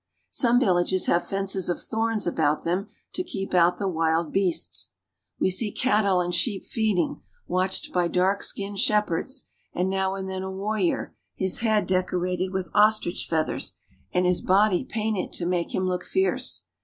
Some villages have fences of thorns about them to keep out the wild beasts. We see cattle and sheep feeding, watched by dark skinned shep herds, and now and then a war rior, his head decorated with ostrich feathers and his body painted to make him look fierce.